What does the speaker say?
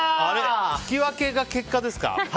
引き分けが結果ですか？